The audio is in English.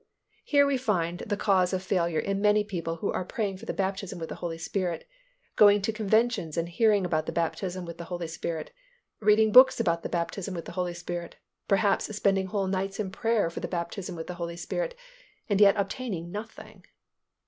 Here we find the cause of failure in many people who are praying for the baptism with the Holy Spirit, going to conventions and hearing about the baptism with the Holy Spirit, reading books about the baptism with the Holy Spirit, perhaps spending whole nights in prayer for the baptism with the Holy Spirit, and yet obtaining nothing.